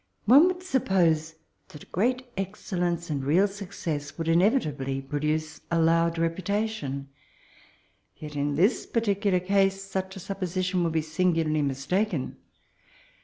One wonld snppose that great excel lenoe and reat snccess would inevita bly prodaoe a load reputation. Yet in this particular case such a supposi tion would be singularly mistaken.